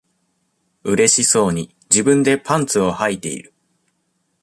うれしそうに、自分でパンツをはいている。